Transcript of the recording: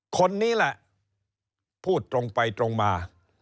คนนี้แหละพูดตรงไปตรงมา